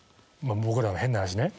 僕ら変な話ね。